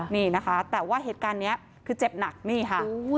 นี่นะคะแต่ว่าเหตุการณ์นี้คือเจ็บหนักนี่ค่ะ